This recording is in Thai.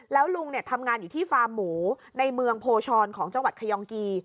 แล้วลุงทำงานอยู่ที่ฟาร์มหมูในเมืองโพชรของจังหวัดขยองกี